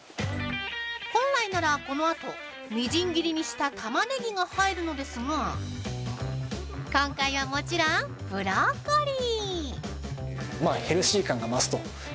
◆本来なら、このあとみじん切りにしたタマネギが入るのですが今回は、もちろんブロッコリー。